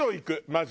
まず。